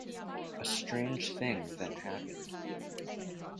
A strange thing then happened.